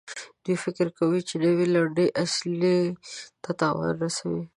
دوی فکر کوي چې نوي لنډۍ اصلي ته تاوان رسوي.